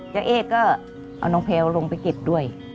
เอ๊ก็เอาน้องแพลวลงไปเก็บด้วย